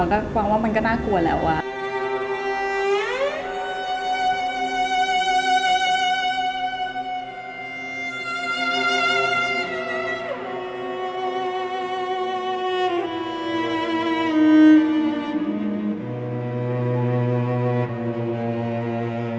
สำหรับมันก็ความว่ามันก็น่ากลัวแล้ว